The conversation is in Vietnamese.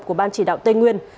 của ban chỉ đạo tây nguyên